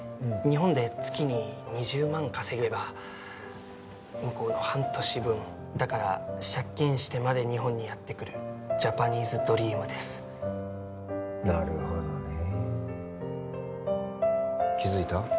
日本で月に２０万稼げば向こうの半年分だから借金してまで日本にやってくるジャパニーズドリームですなるほどね気づいた？